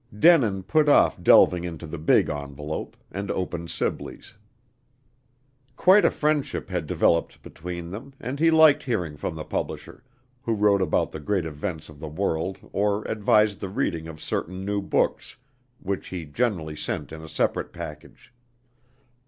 Denin put off delving into the big envelope, and opened Sibley's. Quite a friendship had developed between them, and he liked hearing from the publisher, who wrote about the great events of the world or advised the reading of certain new books, which he generally sent in a separate package.